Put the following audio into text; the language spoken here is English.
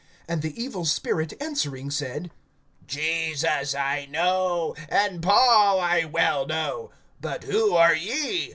(15)And the evil spirit answering said: Jesus I know, and Paul I well know; but who are ye?